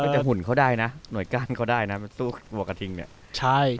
จะหุ่นเขาได้นะหน่วยก้านเขาได้นะสู้บัวกระทิงเนี่ยใช่